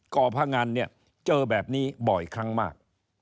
่อพงันเนี่ยเจอแบบนี้บ่อยครั้งมาก